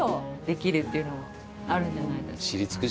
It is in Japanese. できるっていうのもあるんじゃないですか？